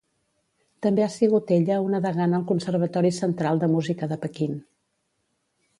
També ha sigut ella una degana al Conservatori Central de Música de Pequín.